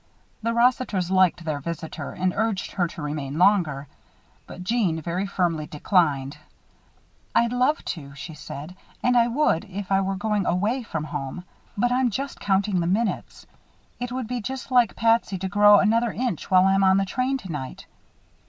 The Rossiters liked their visitor and urged her to remain longer; but Jeanne very firmly declined. "I'd love to," she said. "And I would, if I were going away from home. But I'm just counting the minutes. It would be just like Patsy to grow another inch while I'm on the train tonight."